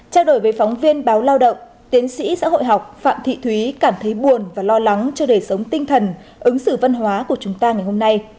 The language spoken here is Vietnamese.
trao đổi với phóng viên báo lao động tiến sĩ xã hội học phạm thị thúy cảm thấy buồn và lo lắng cho đời sống tinh thần ứng xử văn hóa của chúng ta ngày hôm nay